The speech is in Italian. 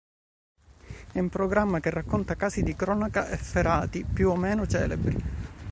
È un programma che racconta casi di cronaca efferati, più o meno celebri.